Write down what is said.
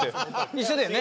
一緒だよね？